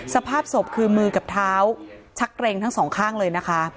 สภาพศพคือมือกับเท้าชักเกร็งทั้งสองข้างเลยนะคะ